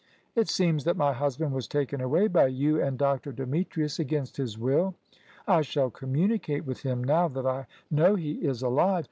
It seems that my husband was taken away by you and Dr. Demetrius against his will. I shall communicate with him, now that I know he is alive.